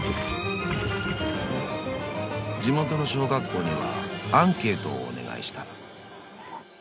［地元の小学校にはアンケートをお願いした］